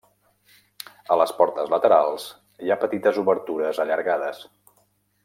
A les portes laterals hi ha petites obertures allargades.